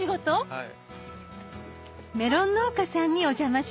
はい？